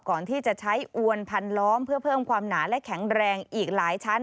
ก่อนที่จะใช้อวนพันล้อมเพื่อเพิ่มความหนาและแข็งแรงอีกหลายชั้น